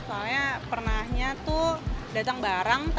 soalnya pernah datang barang